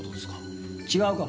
違うか？